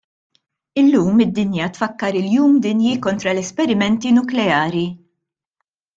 Illum id-dinja tfakkar il-jum dinji kontra l-esperimenti nukleari.